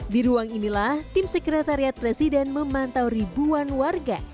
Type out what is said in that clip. di ruang inilah tim sekretariat presiden memantau ribuan warga